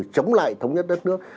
chống lại thống nhất đất nước